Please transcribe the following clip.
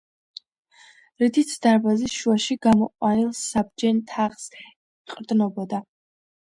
რითიც დარბაზის შუაში გამოყვანილ, საბჯენ თაღს ეყრდნობა.